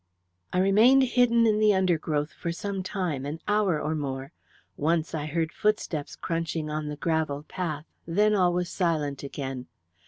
"I remained hidden in the undergrowth for some time an hour or more. Once I heard footsteps crunching on the gravel path, then all was silent again.